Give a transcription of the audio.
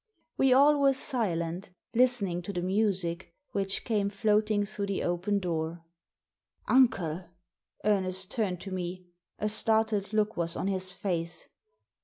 We all were silent, listening to the music, which came floating through the open door. " Uncle !" Ernest turned to me. A startled look was on his face.